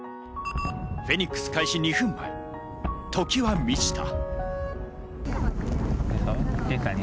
フェニックス開始２分前、時は満ちた。